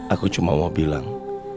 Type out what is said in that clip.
aku cuma mau bilang